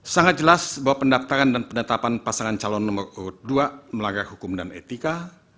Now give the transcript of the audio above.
sangat jelas bahwa pendaftaran dan penetapan pasangan calon nomor dua melanggar hukum dan etika